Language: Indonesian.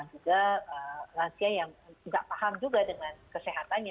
juga lansia yang tidak paham juga dengan kesehatannya